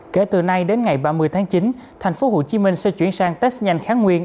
kể từ nay đến ngày ba mươi tháng chín thành phố hồ chí minh sẽ chuyển sang test nhanh kháng nguyên